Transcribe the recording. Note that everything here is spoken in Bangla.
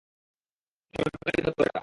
সরকারি দপ্তর এটা।